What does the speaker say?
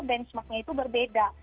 benchmark nya itu berbeda